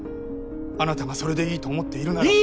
あなたがそれでいいと思っているなら。